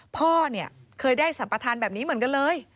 พ่อเนี่ยเคยได้สัมปทานแบบนี้เหมือนกันเลย